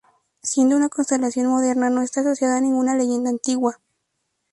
Siendo una constelación moderna, no está asociada a ninguna leyenda antigua.